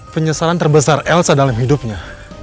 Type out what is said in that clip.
penyesalan terbesar elsa dalam hidupnya